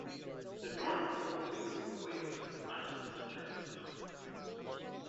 The North Pole faces away from the galactic center of the Milky Way.